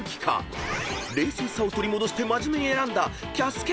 ［冷静さを取り戻して真面目に選んだ］